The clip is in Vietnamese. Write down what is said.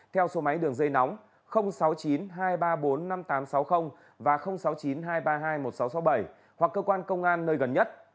theo số máy đường dây nóng sáu mươi chín hai trăm ba mươi bốn năm nghìn tám trăm sáu mươi và sáu mươi chín hai trăm ba mươi hai một nghìn sáu trăm sáu mươi bảy hoặc cơ quan công an nơi gần nhất